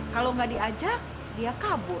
kalau nggak diajak dia kabur